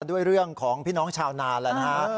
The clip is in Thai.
ด้วยเรื่องของพี่น้องชาวนานแล้วนะฮะ